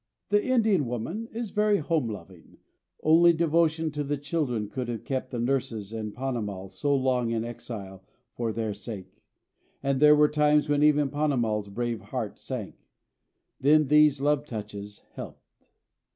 The Indian woman is very home loving. Only devotion to the children could have kept the nurses and Ponnamal so long in exile for their sake; and there were times when even Ponnamal's brave heart sank. Then these love touches helped.